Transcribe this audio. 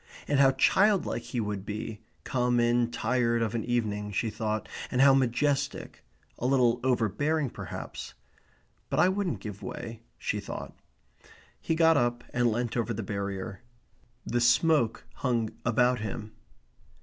And how childlike he would be, come in tired of an evening, she thought, and how majestic; a little overbearing perhaps; "But I wouldn't give way," she thought. He got up and leant over the barrier. The smoke hung about him.